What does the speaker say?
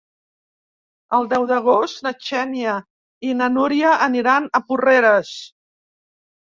El deu d'agost na Xènia i na Núria aniran a Porreres.